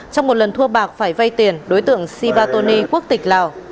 trong một lần thua bạc phải vây tiền đối tượng siva tony quốc tịch lào